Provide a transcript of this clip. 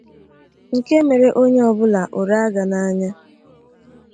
nke mere onye ọ bụla ụra aga n'anya